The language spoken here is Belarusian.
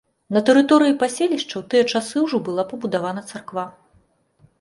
На тэрыторыі паселішча ў тыя часы ўжо была пабудавана царква.